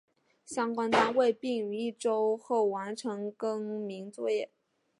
相关单位并于一周后完成更名作业。